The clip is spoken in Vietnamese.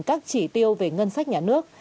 các chỉ tiêu về ngân sách nhà nước